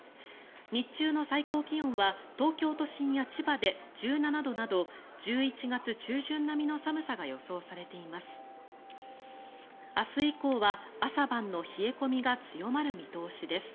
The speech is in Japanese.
日中の最高気温は東京都心や千葉で１７度など１１月中旬並みの寒さが予想されています。